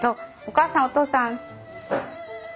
お母さんお父さん。